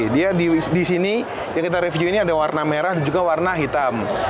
dia di sini yang kita review ini ada warna merah dan juga warna hitam